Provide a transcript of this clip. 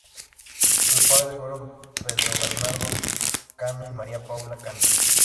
Sus padres fueron Pedro Bernardo Cano y María Paula Cano.